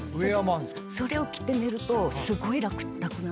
それを着て寝るとすごい楽なんです。